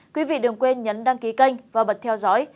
quý vị đừng quên nhấn đăng ký kênh và bật theo dõi